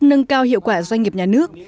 nâng cao hiệu quả doanh nghiệp nhà nước